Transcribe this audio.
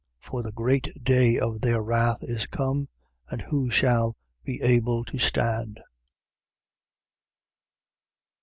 6:17. For the great day of their wrath is come. And who shall be able to stand?